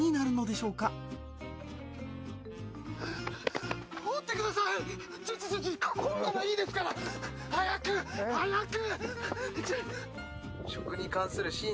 ちょちょこんなのいいですから！早く早く！